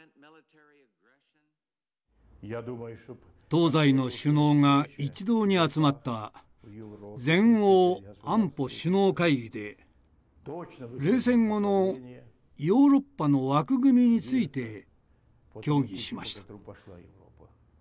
東西の首脳が一堂に集まった全欧安保首脳会議で冷戦後のヨーロッパの枠組みについて協議しました。